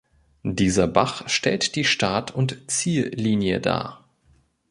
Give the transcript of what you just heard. Dieser Bach stellt die Start- und Ziellinie dar.